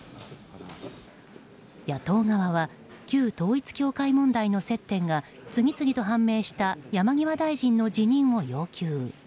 野党側は旧統一教会問題の接点が次々と判明した山際大臣の辞任を要求。